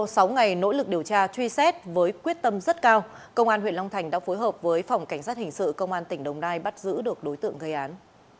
sau sáu ngày nỗ lực điều tra truy xét với quyết tâm rất cao công an huyện long thành đã phối hợp với phòng cảnh sát hình sự công an tỉnh đồng nai bắt giữ được đối tượng gây án